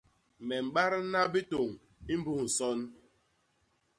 Me mbadna bitôñ mbus nson.